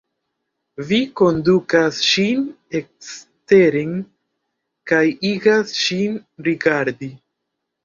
Vi kondukas ŝin eksteren kaj igas ŝin rigardi.